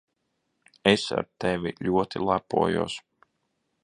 Es ar tevi ļoti lepojos.